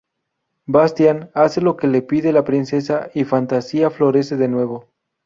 Bastian hace lo que le pide la princesa y Fantasía florece de nuevo.